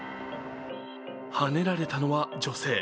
はねられたのは女性。